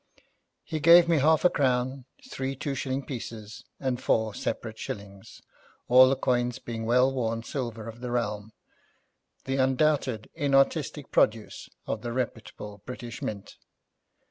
He gave me half a crown, three two shilling pieces, and four separate shillings, all the coins being well worn silver of the realm, the undoubted inartistic product of the reputable British Mint.